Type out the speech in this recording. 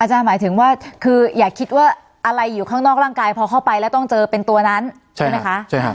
หมายถึงว่าคืออย่าคิดว่าอะไรอยู่ข้างนอกร่างกายพอเข้าไปแล้วต้องเจอเป็นตัวนั้นใช่ไหมคะ